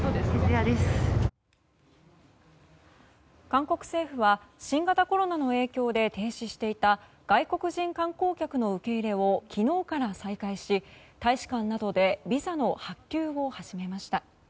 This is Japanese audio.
韓国政府は新型コロナの影響で停止していた外国人観光客の受け入れを昨日から再開し大使館などでビザの発給を始めました。